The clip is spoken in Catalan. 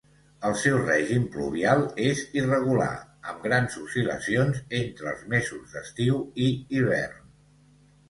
El seu règim pluvial és irregular, amb grans oscil·lacions entre els mesos d'estiu i hivern.